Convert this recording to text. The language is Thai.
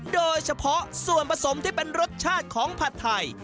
โดยเฉพาะส่วนผสมที่เป็นรสชาติของผัดไทย